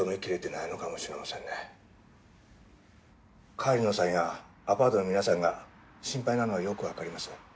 狩野さんやアパートの皆さんが心配なのはよくわかります。